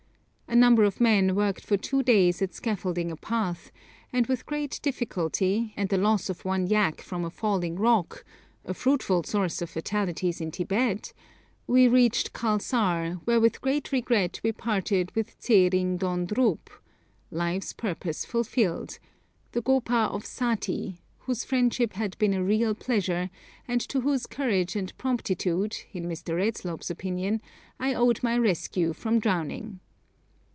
A number of men worked for two days at scaffolding a path, and with great difficulty, and the loss of one yak from a falling rock, a fruitful source of fatalities in Tibet, we reached Khalsar, where with great regret we parted with Tse ring don drub (Life's purpose fulfilled), the gopa of Sati, whose friendship had been a real pleasure, and to whose courage and promptitude, in Mr. Redslob's opinion, I owed my rescue from drowning.